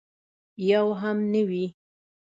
یو هم نه وي.